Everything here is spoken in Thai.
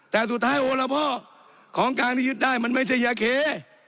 แต่สุดท้ายโอละพ่อของกลางที่ยึดได้มันไม่ใช่ยาเค